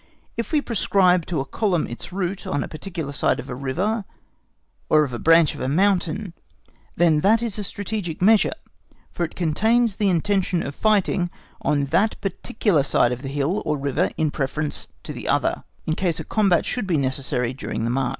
If we prescribe to a column its route on a particular side of a river or of a branch of a mountain, then that is a strategic measure, for it contains the intention of fighting on that particular side of the hill or river in preference to the other, in case a combat should be necessary during the march.